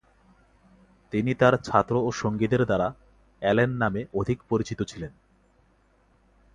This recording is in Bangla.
তিনি তার ছাত্র ও সঙ্গীদের দ্বারা "অ্যালেন" নামে অধিক পরিচিত ছিলেন।